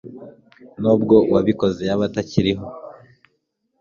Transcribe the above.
n'ubwo uwabikoze yaba atakiriho